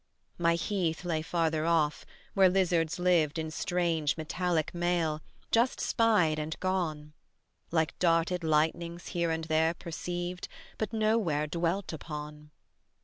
My heath lay farther off, where lizards lived In strange metallic mail, just spied and gone; Like darted lightnings here and there perceived But nowhere dwelt upon.